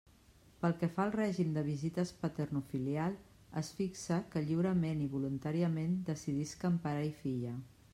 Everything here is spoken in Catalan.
Pel que fa al règim de visites paternofilial, es fixa que lliurament i voluntàriament decidisquen pare i filla.